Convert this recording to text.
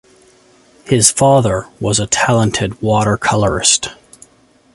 His father was a talented water-colourist.